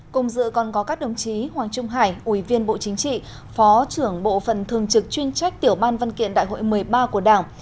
cùng dự còn có các đồng chí hoàng trung hải ủy viên bộ chính trị phó trưởng bộ phần thường trực chuyên trách tiểu ban văn kiện đại hội một mươi ba của đảng